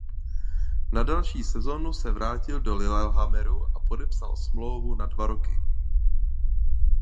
Na další sezonu se vrátil do Lillehammeru a podepsal smlouvu na dva roky.